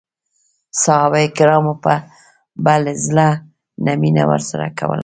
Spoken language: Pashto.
صحابه کرامو به له زړه نه مینه ورسره کوله.